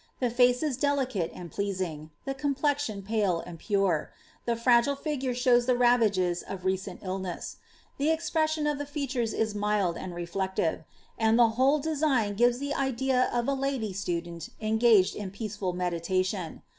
The face is delicate and pleasing; the complexion pale and pure ; the fragile figure shows the ravages of recent illness; the expression of the features is mild and reflective; and the whole design gives the idea of a lady student engaged in peaceful meditation.